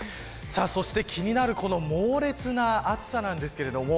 そして気になる、この猛烈な暑さなんですけれども。